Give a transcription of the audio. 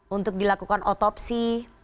untuk dilakukan otopsi